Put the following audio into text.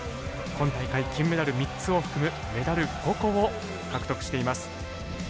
今大会、金メダル３つを含むメダル５個を獲得しています。